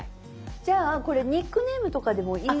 じゃあこれニックネームとかでもいい話？